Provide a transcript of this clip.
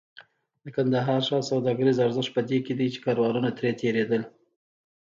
د کندهار ښار سوداګریز ارزښت په دې کې و چې کاروانونه ترې تېرېدل.